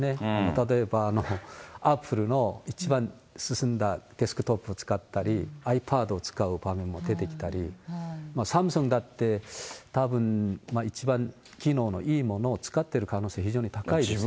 例えばアップルの一番進んだデスクトップ使ったり、ｉＰａｄを使う場面も出てきたり、サムスンだって、たぶん一番機能のいいものを使ってる可能性、非常に高いですね。